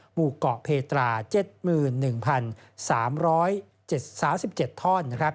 หมู่เกาะเพตรา๗๑๓๗๓๗ท่อน